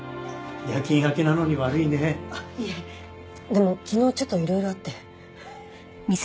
でも昨日ちょっといろいろあって。